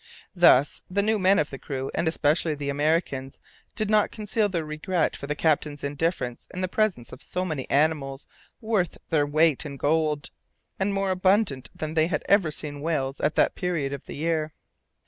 Thus the new men of the crew, and especially the Americans, did not conceal their regret for the captain's indifference in the presence of so many animals worth their weight in gold, and more abundant than they had ever seen whales at that period of the year.